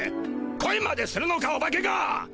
こいまでするのかオバケが！